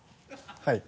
はい。